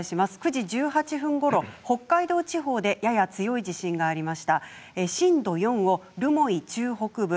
９時１８分ごろ北海道地方でやや強い地震がありました。